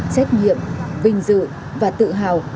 xét nghiệm vinh dự và tự hào